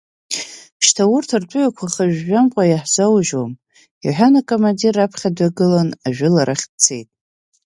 Шьҭа урҭ ртәыҩақәа хыжәжәамкәа иаҳзаужьуам, — иҳәан, акомандир раԥхьа дҩагылан, ажәыларахь ицеит.